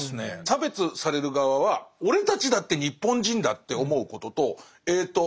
差別される側は俺たちだって日本人だって思うこととえっと